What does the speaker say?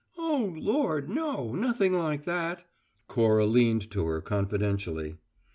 "Oh, Lord, no! Nothing like that." Cora leaned to her confidentially.